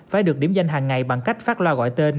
phải được điểm danh hàng ngày bằng cách phát loa gọi tên